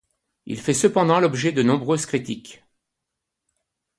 Il fait cependant l'objet de nombreuses critiques.